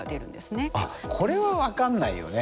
あっこれは分かんないよね。